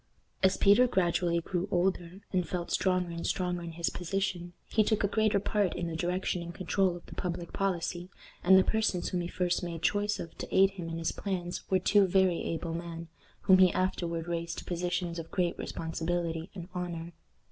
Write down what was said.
As Peter gradually grew older, and felt stronger and stronger in his position, he took a greater part in the direction and control of the public policy, and the persons whom he first made choice of to aid him in his plans were two very able men, whom he afterward raised to positions of great responsibility and honor.